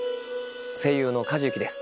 声優の梶裕貴です